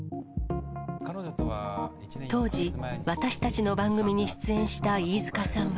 当時、私たちの番組に出演した飯塚さんは。